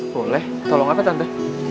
boleh tolong apa tante